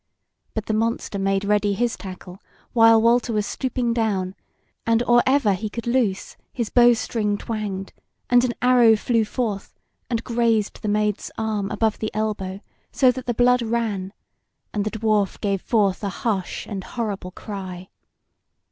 But the monster made ready his tackle while Walter was stooping down, and or ever he could loose, his bow string twanged, and an arrow flew forth and grazed the Maid's arm above the elbow, so that the blood ran, and the Dwarf gave forth a harsh and horrible cry.